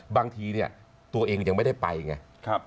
บางทีเนี่ยตัวเองยังไม่ได้ไปไง